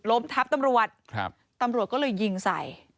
ล้มทับตำรวจตำรวจก็เลยยิงใส่